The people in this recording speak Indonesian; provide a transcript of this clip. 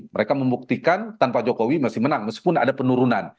mereka membuktikan tanpa jokowi masih menang meskipun ada penurunan